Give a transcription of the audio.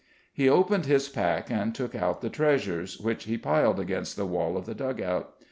He opened his pack and took out the treasures, which he piled against the wall of the dug out.